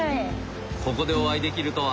ここでお会いできるとは。